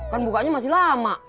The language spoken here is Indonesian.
kan bukanya masih lama